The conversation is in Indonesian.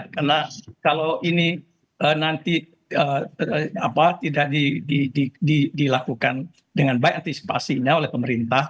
karena kalau ini nanti tidak dilakukan dengan baik antisipasinya oleh pemerintah